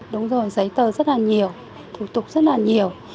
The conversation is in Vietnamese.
đúng rồi giấy tờ rất là nhiều thủ tục rất là nhiều